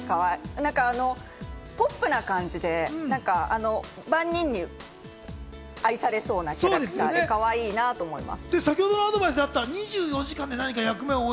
ポップな感じで万人に愛されそうな、かわいいなぁと思います。